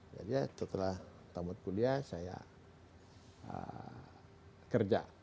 jadi setelah tamat kuliah saya kerja